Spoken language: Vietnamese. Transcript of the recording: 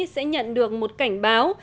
sẽ nhận được một cảnh báo